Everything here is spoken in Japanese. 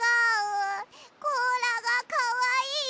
こうらがかわいいだよ！